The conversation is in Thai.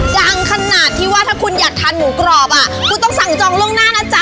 ดังขนาดที่ว่าถ้าคุณอยากทานหมูกรอบอ่ะคุณต้องสั่งจองล่วงหน้านะจ๊ะ